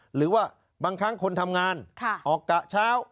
หรือว่าบางครั้งคนทำงานออกกะเช้า